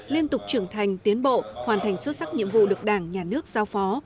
liên tục trưởng thành tiến bộ hoàn thành xuất sắc nhiệm vụ được đảng nhà nước giao phó